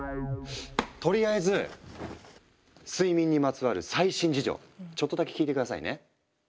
とりあえず睡眠にまつわる最新事情ちょっとだけ聞いて下さいね。